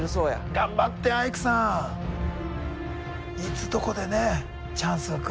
頑張ってアイクさん！いつどこでねチャンスが来るか。